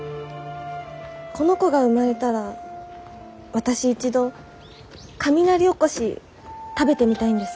この子が生まれたら私一度雷おこし食べてみたいんです。